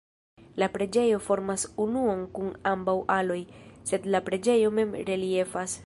La preĝejo formas unuon kun ambaŭ aloj, sed la preĝejo mem reliefas.